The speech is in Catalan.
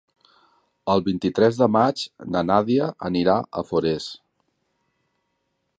El vint-i-tres de maig na Nàdia anirà a Forès.